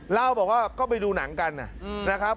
เล่าบอกว่าก็ไปดูหนังกันนะครับ